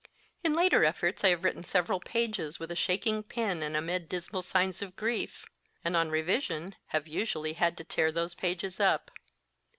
In later efforts I have written several pages with a shaking pen and amid dismal signs of grief ; and, on revision, have usually had to tear those pages up.